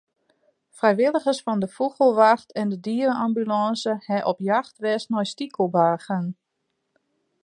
Frijwilligers fan de Fûgelwacht en de diere-ambulânse hawwe op jacht west nei stikelbargen.